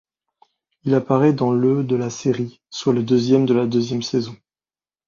Il apparaît dans le de la série, soit le deuxième de la deuxième saison.